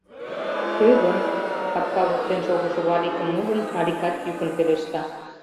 — Кӧ гын? — капка воктен шогышо Валикым ужын, Аликат йӱкын пелешта.